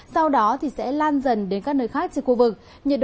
sau đó sẽ lan dần đến các nơi khác trên khu vực